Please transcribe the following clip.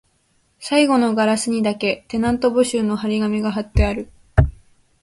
最後のガラスにだけ、テナント募集の張り紙が張ってある